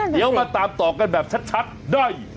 เดี๋ยวมาตามต่อกันแบบชัดด้วย